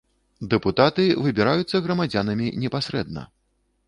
Дэпутаты выбіраюцца грамадзянамі непасрэдна.